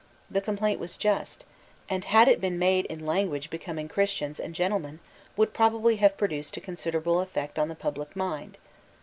The complaint was just; and, had it been made in language becoming Christians and gentlemen, would probably have produced a considerable effect on the public mind.